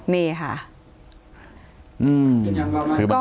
นี่ค่ะ